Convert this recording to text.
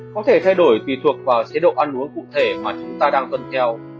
có thể thay đổi tùy thuộc vào chế độ ăn uống cụ thể mà chúng ta đang cần theo